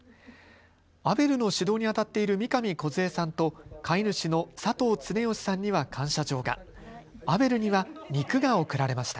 アベルの指導にあたっている三上こずえさんと飼い主の佐藤常美さんには感謝状が、アベルには肉が贈られました。